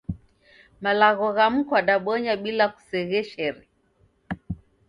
Malagho ghamu kwadabonya bila kusegheshere